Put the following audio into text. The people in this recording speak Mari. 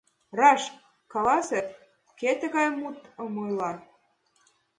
Раш каласе, кӧ тыгай мутым ойла?